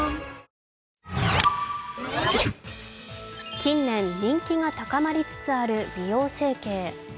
近年、人気が高まりつつある美容整形。